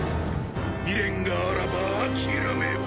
未練があらば諦めよ。